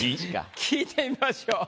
聞いてみましょう。